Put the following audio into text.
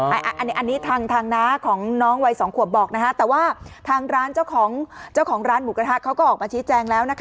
อันนี้ทางน้าของน้องไว๒ขวบบอกแต่ทางร้านเจ้าของหมูกระทะออกมาชี้แจงแล้ว